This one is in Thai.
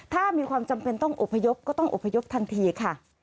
ถ้ามีความจำเป็นต้องอบพยพก็ต้องอบพยพทันทีค่ะ